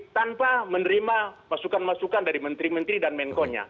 tanpa menerima masukan masukan dari menteri menteri dan menkonya